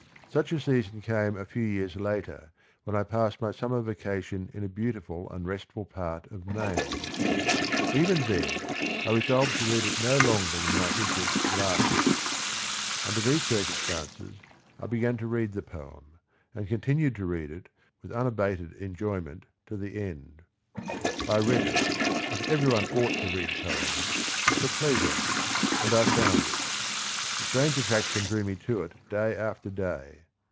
Such a season came a few years later when I passed my summer vacation in a beauti ful and restful part of Maine. Even then, I resolved to read it no longer than my interest lasted. Under these circumstances I began to THE RING AND THE BOOK read the poem, and continued to read it, with unabated enjoyment to the end. I read it, as every one ought to read poems, for pleasure, and I found it. A strange attraction drew me to it day after day.